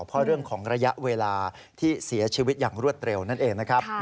เพราะเรื่องของระยะเวลาที่เสียชีวิตอย่างรวดเร็วนั่นเองนะครับ